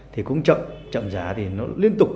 thì cũng chậm chậm giá thì nó liên tục